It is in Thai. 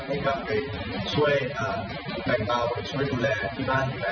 ให้กลับไปช่วยแฟนเราไปช่วยดูแลที่บ้านอยู่แล้ว